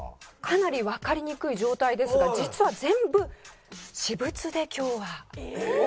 かなりわかりにくい状態ですが実は全部私物で今日はお越しくださいました。